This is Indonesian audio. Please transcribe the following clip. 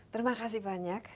terima kasih banyak